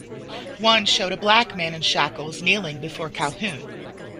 One showed a black man in shackles kneeling before Calhoun.